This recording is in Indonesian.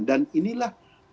dan inilah tanggung jawabnya